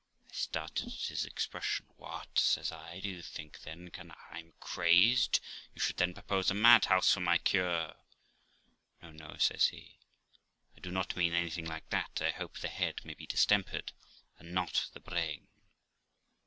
I started at his expression. 'What!' says I; 'do you think, then, that I am crazed? You should, then, propose a madhouse for my cure.' 'No, no', says he, 'I do not mean anything like that; I hope the head may be distempered and not the brain.'